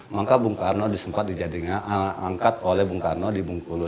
maka bung karno disempat di jadinya angkat oleh bung karno di bung kulu